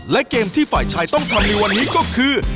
และเกมที่ฝ่ายชายต้องทำในวันนี้ก็คือ